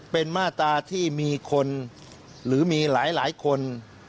เป็นมาตราที่มีคนหรือมีหลายคน